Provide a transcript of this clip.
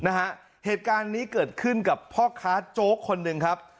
เหตุการณ์นี้เกิดขึ้นกับพ่อค้าโจ๊กคนหนึ่งครับ